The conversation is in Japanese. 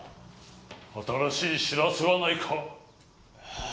新しい知らせはないか？